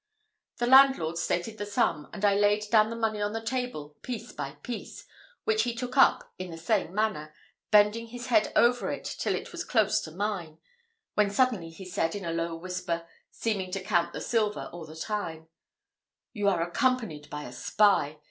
The landlord stated the sum, and I laid down the money on the table, piece by piece, which he took up in the same manner, bending his head over it till it was close to mine, when suddenly he said, in a low whisper, seeming to count the silver all the time, "You are accompanied by a spy.